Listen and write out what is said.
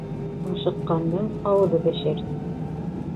Ашыҡҡандың ауыҙы бешер.